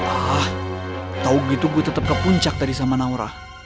ah tau gitu gue tetep kepuncak tadi sama naura